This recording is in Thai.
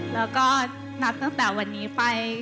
แล้วก็นับตั้งแต่วันนี้ไป